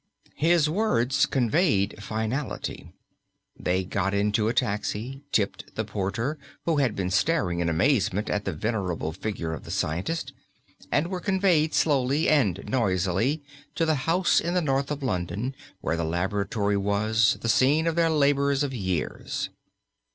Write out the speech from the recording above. His words conveyed finality. They got into a taxi, tipped the porter, who had been staring in amazement at the venerable figure of the scientist, and were conveyed slowly and noisily to the house in the north of London where the laboratory was, the scene of their labours of years.